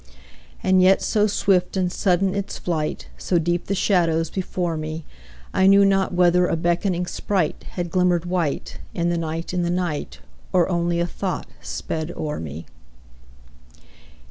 And yet so swift and sudden its flight, So deep the shadows before me, I knew not whether a beckoning sprite Had glimmered white, in the night, in the night, Or only a thought sped o'er me.